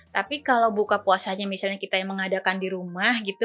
tapi kalau buka puasanya misalnya kita yang mengadakan di rumah gitu